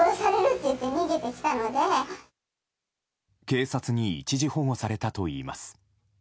警察に一時保護されたといいます。